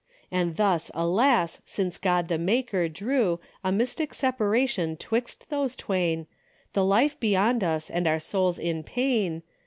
And thus, alas ! since God, the Maker, drew A mystic separation 'twixt those twain. The life beyond us, and our souls in pain.